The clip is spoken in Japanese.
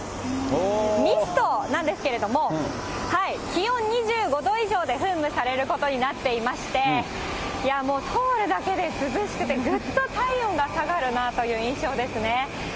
ミストなんですけれども、気温２５度以上で噴霧されることになっていまして、通るだけで涼しくて、ぐっと体温が下がるなという印象ですね。